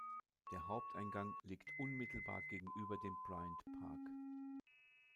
Der Haupteingang liegt unmittelbar gegenüber dem Bryant Park.